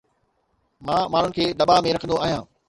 مان ماڻهن کي دٻاء ۾ رکندو آهيان